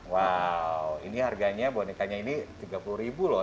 wow ini harganya bonekanya ini rp tiga puluh loh